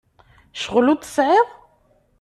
Ccɣel ur t-tesɛiḍ?